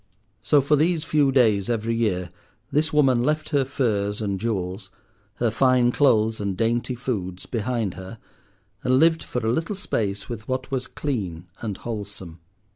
So for these few days every year this woman left her furs and jewels, her fine clothes and dainty foods, behind her, and lived for a little space with what was clean and wholesome.